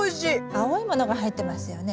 青いものが入ってますよね。